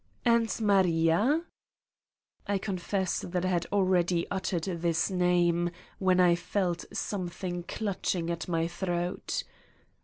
..." "And ... Maria?" I confess that I had hardly uttered this name when I felt something clutching at my throat.